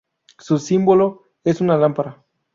Su símbolo es una lámpara.